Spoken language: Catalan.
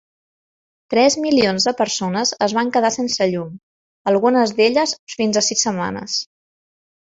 Tres milions de persones es van quedar sense llum, algunes d'elles fins a sis setmanes.